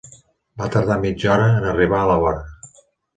Va tardar mitja hora en arribar a la vora.